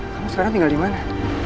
kamu sekarang tinggal dimana